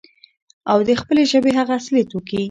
او د خپلې ژبې هغه اصلي توکي،